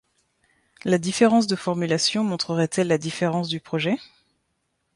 La différence de formulation montrerait-elle la différence du projet?